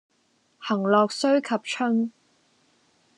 行樂須及春。